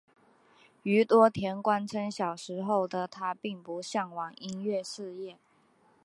宇多田光称小时候的她并不向往音乐事业。